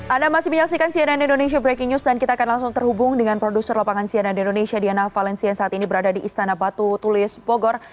anda masih menyaksikan cnn indonesia breaking news dan kita akan langsung terhubung dengan produser lapangan cnn indonesia diana valencia yang saat ini berada di istana batu tulis bogor